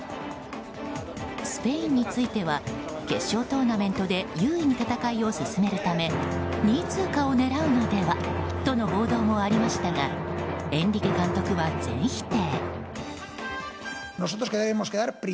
スペインについては決勝トーナメントで優位に戦いを進めるため２位通過を狙うのでは？との報道もありましたがエンリケ監督は全否定。